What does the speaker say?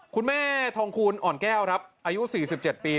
คุณแม่ทองคูณอ่อนแก้วครับอายุ๔๗ปี